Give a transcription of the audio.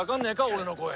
俺の声。